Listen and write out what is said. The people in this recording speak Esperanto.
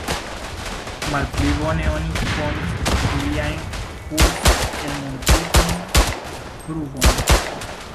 Malpli bone oni konis liajn kurse elmontritajn pruvojn.